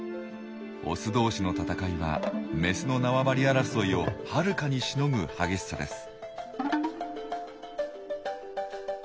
オス同士の戦いはメスの縄張り争いをはるかにしのぐ激しさです。